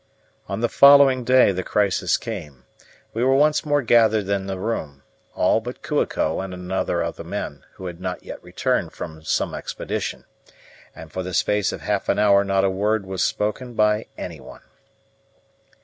On the following day the crisis came. We were once more gathered in the room all but Kua ko and another of the men, who had not yet returned from some expedition and for the space of half an hour not a word was spoken by anyone.